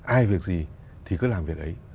ai việc gì thì cứ làm việc ấy